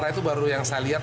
ada luka di kakinya